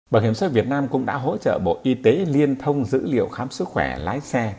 bảo hiểm xã hội việt nam cũng đã hỗ trợ bộ y tế liên thông dữ liệu khám sức khỏe lái xe